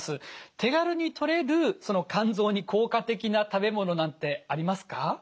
手軽にとれる肝臓に効果的な食べ物なんてありますか？